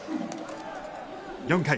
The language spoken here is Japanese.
４回。